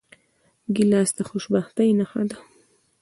ګیلاس د خوشبختۍ نښه ده.